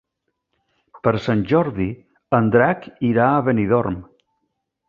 Per Sant Jordi en Drac irà a Benidorm.